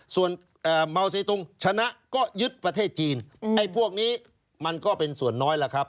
ส่วนเมาเซตรงชนะก็ยึดประเทศจีนไอ้พวกนี้มันก็เป็นส่วนน้อยล่ะครับ